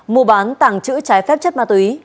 mùa bán tàng trữ trái phép chất ma túy